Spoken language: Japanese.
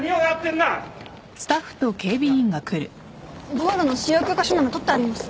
道路の使用許可書なら取ってあります。